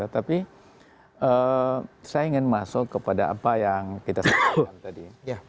tapi saya ingin masuk kepada apa yang kita sebutkan tadi